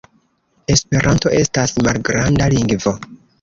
Esperanto estas malgranda lingvo.